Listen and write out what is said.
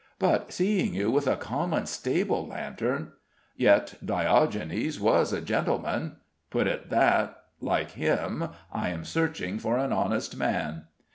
"But seeing you with a common stable lantern " "Yet Diogenes was a gentleman. Put it that, like him, I am searching for an honest man."